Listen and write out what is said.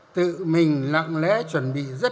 tự mình lặng lẽ chuẩn bị rất công nghiệp